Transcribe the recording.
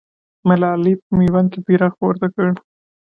ملالۍ په میوند کې بیرغ پورته کړ.